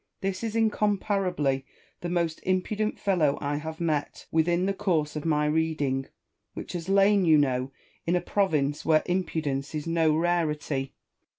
This is incom parably the most impudent fellow I have met with in the course of my reading, which has lain, you know, in a province where impudence is no rarity.